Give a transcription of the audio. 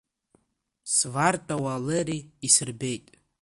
Свартәа Уалери исырбеит.